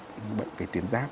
bệnh về tuyến giáp